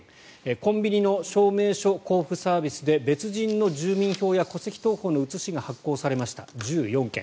コンビニの証明書交付サービスで別人の住民票や戸籍謄本の写しが発行されました１４件。